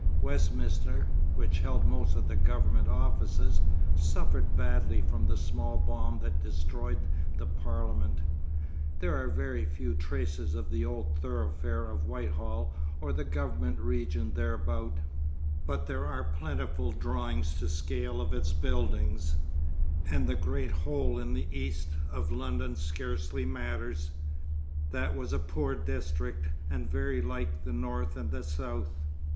Westminster, which held most of the government offices, suffered badly from the small bomb that destroyed the Parliament, there are very few traces of the old thoroughfare of Whitehall or the Government region thereabout, but there are plentiful drawings to scale of its buildings, and the great hole in the east of London scarcely matters. That was a poor district and very like the north and the south....